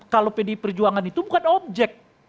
kalau pdi perjuangan itu bukan objek